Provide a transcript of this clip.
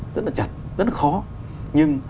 rất là chặt rất là khó nhưng